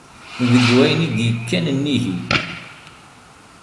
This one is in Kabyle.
Deg wayen i d-ikkan nnig-i!